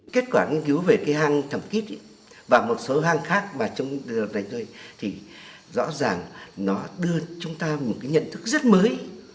kết quả nghiên cứu về cái hang thẩm kích và một số hang khác trong đời này thì rõ ràng nó đưa chúng ta một cái nhận thức rất mới